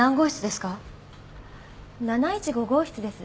７１５号室です。